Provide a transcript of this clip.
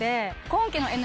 今期の。え！